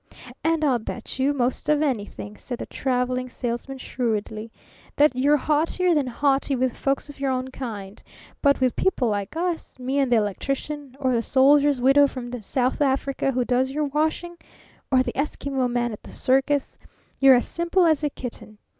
"And I'll bet you, most of anything," said the Traveling Salesman shrewdly, "that you're haughtier than haughty with folks of your own kind. But with people like us me and the Electrician, or the soldier's widow from South Africa who does your washing, or the Eskimo man at the circus you're as simple as a kitten.